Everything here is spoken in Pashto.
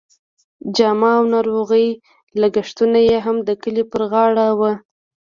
جامه او ناروغۍ لګښتونه یې هم د کلي پر غاړه وو.